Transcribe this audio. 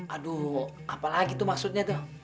aduh apalagi tuh maksudnya tuh